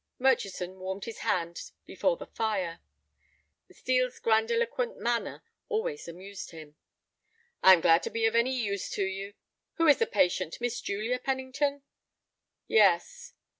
Murchison warmed his hands before the fire. Steel's grandiloquent manner always amused him. "I am glad to be of any use to you. Who is the patient, Miss Julia Pennington?" "Yes."